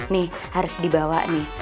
nih harus dibawa nih